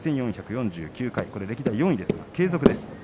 今日で１４４９回歴代４位で継続です。